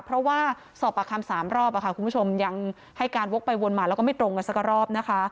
เพราะว่าสอบปากคำ๓รอบคุณผู้ชมยังให้การวกไปวนมาแล้วก็ไม่ตรงกันสักรอบนะคะ